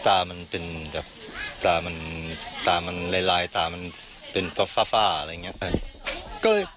ตามันเป็นแบบตามันตามันลายตามันเป็นฟ้าอะไรอย่างนี้